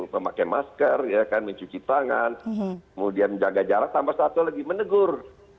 memakai masker mencuci tangan kemudian menjaga jarak tambah satu lagi menegur